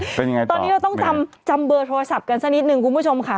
เป็นยังไงตอนนี้เราต้องจำจำเบอร์โทรศัพท์กันสักนิดนึงคุณผู้ชมค่ะ